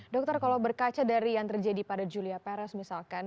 dokter kalau berkaca dari yang terjadi pada julia perez misalkan